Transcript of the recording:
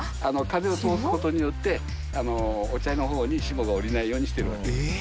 風を通す事によってお茶の方に霜が降りないようにしてるわけです。